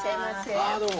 あどうも。